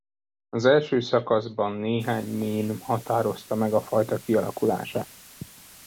Az első szakaszban néhány mén határozta meg a fajta kialakulását.